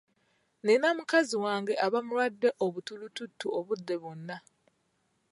Nina mukazi wange aba mulwadde obutulututtu obudde bwonna.